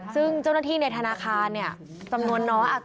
ซึ่งเจ้าหน้าที่ในธนาคารเนี่ยจำนวนน้อย